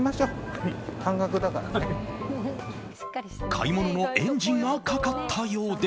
買い物のエンジンがかかったようで。